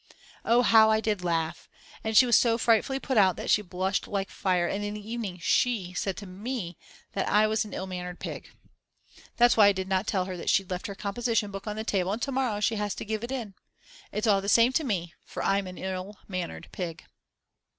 Oh, how I did laugh, and she was so frightfully put out that she blushed like fire, and in the evening she said to me that I was an ill mannered pig. That's why I did not tell her that she'd left her composition book on the table and to morrow she has to give it in. It's all the same to me, for I'm an ill mannered pig.